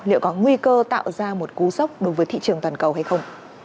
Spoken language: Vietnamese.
liệu có nguy cơ tạo ra một cú sốc đối với thị trường toàn cầu hay không